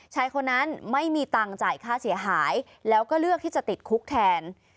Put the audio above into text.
ชายคนนั้นไม่มีตังค์จ่ายค่าเสียหายแล้วก็เลือกที่จะติดคุกแทน